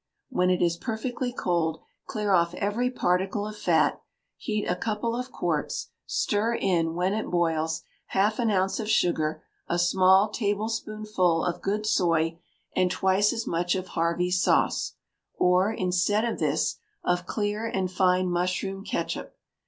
When it is perfectly cold, clear off every particle of fat: heat a couple of quarts; stir in, when it boils, half an ounce of sugar, a small tablespoonful of good soy, and twice as much of Harvey's sauce, or, instead of this, of clear and fine mushroom ketchup.